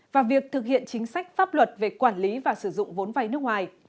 và việc thực hiện chính sách pháp luật về quản lý và sử dụng vốn vay nước ngoài